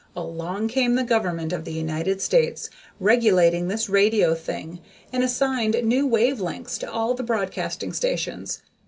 Along came the Government of the United States, regulating this radio thing, and assigned new wave lengths to all the broadcasting stations.